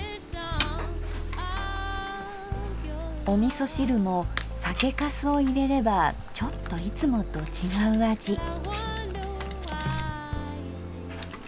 おみそ汁も酒かすを入れればちょっといつもと違う味。